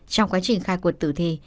trong quá trình khai cuộc tử thi